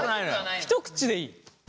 一口でいい。